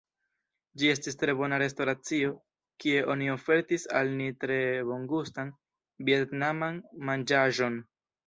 Ĝi estis tre bona restoracio, kie oni ofertis al ni tre bongustan vjetnaman manĝaĵon.